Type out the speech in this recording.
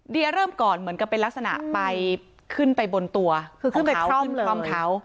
เดียเริ่มก่อนเหมือนเป็นลักษณะขึ้นไปบนตัวข้องข้องเขา